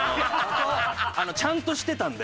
ちゃんとしてたので。